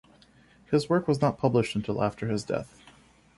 His work was not published until after his death.